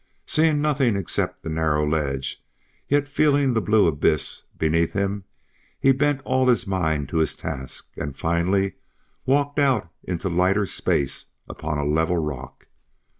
Seeing nothing except the narrow ledge, yet feeling the blue abyss beneath him, he bent all his mind to his task, and finally walked out into lighter space upon level rock.